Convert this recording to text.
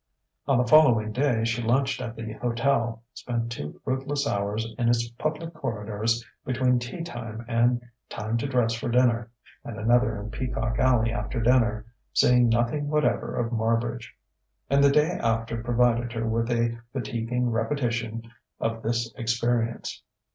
On the following day she lunched at the hotel, spent two fruitless hours in its public corridors between tea time and time to dress for dinner, and another in Peacock Alley after dinner, seeing nothing whatever of Marbridge. And the day after provided her with a fatiguing repetition of this experience.